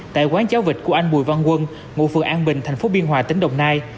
tại quán giáo vị của anh bùi văn quân ngụ phường an bình thành phố biên hòa tỉnh đồng nai